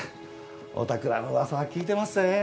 おたくらの噂は聞いてまっせ。